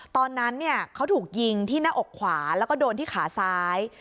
ตอนนั้นเขาถูกยิงที่หน้าอกขวาแล้วก็โดนที่ขาซ้าย